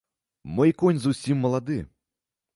Мой конь зусім малады.